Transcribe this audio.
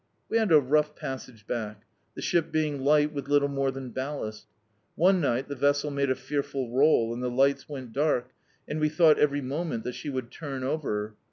We had a rough passage back, the ship being li^t, with little more than ballast. One ni^t the vessel made a fearful roll, and the li^ts went daik, and we thought every moment that she would turn over.